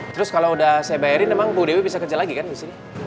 terus kalau udah saya bayarin emang mbak dewi bisa kerja lagi kan disini